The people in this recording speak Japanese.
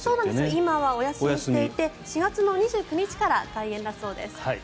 今はやっていなくて４月２９日から開園だそうです。